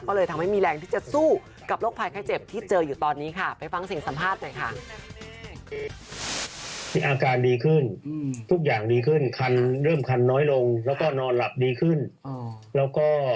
ก็เลยทำให้มีแรงที่จะสู้กับโรคภัยไข้เจ็บที่เจออยู่ตอนนี้ค่ะ